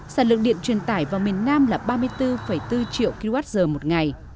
sản lượng điện truyền tải vào miền nam là ba mươi bốn bốn triệu kwh một ngày